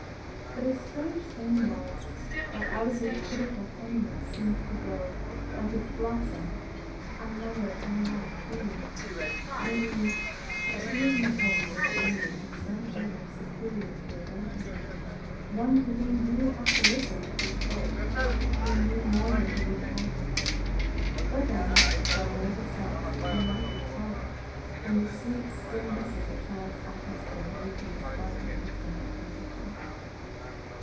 But a strange thing was, that out of this pitiful tenderness seemed to grow, like its blossom, another unlike feeling namely, that he was in the presence of a being of some order superior to his own, one to whom he would have to listen if he spoke, who knew more than he would tell. But then Donal was a Celt, and might be a poet, and the sweet stillness of the child's atmosphere made things bud in his imagination.